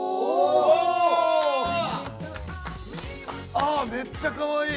ああめっちゃかわいい。